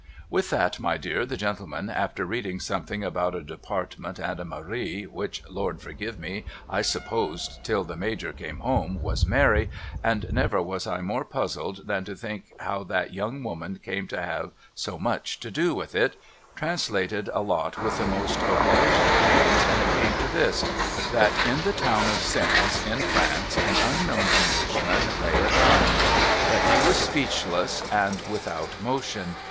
With that my dear the gentleman after reading something about a Department and a Marie (which Lord forgive me I supposed till the Major came home was Mary, and never was I more puzzled than to think how that young woman came to have so much to do with it) translated a lot with the most obliging pains, and it came to this :— That in the town of Sens in France an unknown Englishman lay a dying. That he was speechless and without motion.